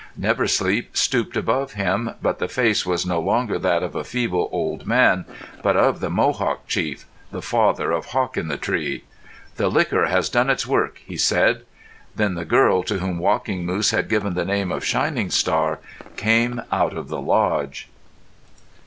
Never Sleep stooped above him, but the face was no longer that of a feeble old man, but of the Mohawk chief—the father of Hawk in the Tree. "The liquor has done its work," he said. Then the girl to whom Walking Moose had given the name of Shining Star came out of the lodge.